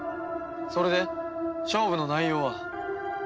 それで勝負の内容は？